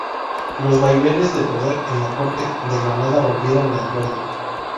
Los vaivenes de poder en la corte de Granada rompieron el acuerdo.